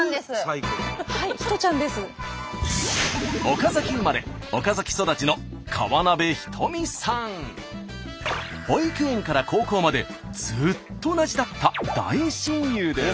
岡崎生まれ岡崎育ちの保育園から高校までずっと同じだった大親友です。